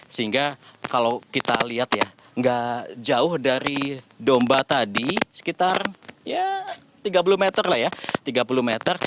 sehingga kalau kita lihat ya nggak jauh dari domba tadi sekitar ya tiga puluh meter lah ya